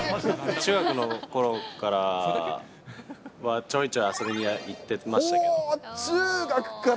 中学のころからは、ちょいちょい遊びに行ってましたから。